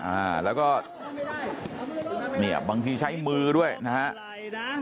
อ่าแล้วก็เนี่ยบางทีใช้มือด้วยนะฮะ